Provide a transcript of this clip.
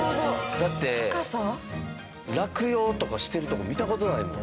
だって落葉とかしてるとこ見た事ないもん。